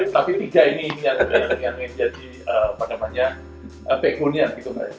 tapi tiga ini yang menjadi pekunian gitu